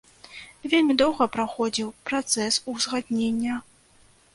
Вельмі доўга праходзіў працэс узгаднення.